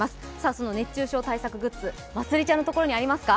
その熱中症対策グッズ、まつりちゃんのところにありますか？